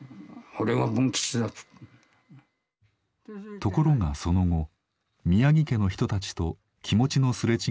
ところがその後宮城家の人たちと気持ちの擦れ違いが重なります。